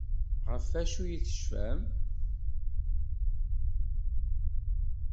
Ɣef wacu ay tecfam?